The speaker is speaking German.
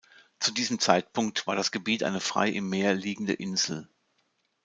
Zu diesem Zeitpunkt war das Gebiet eine frei im Meer liegende Insel.